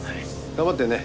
頑張ってるね。